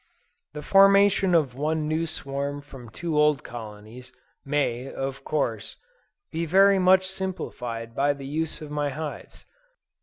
The formation of one new swarm from two old colonies, may, of course, be very much simplified by the use of my hives.